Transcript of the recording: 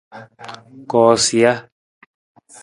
Koosija.